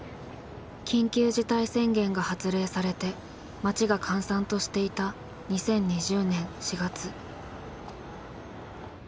緊急事態宣言が発令されて街が閑散としていた２０２０年４月。